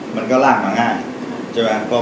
มันก็ลากมาง่ายใช่ไหม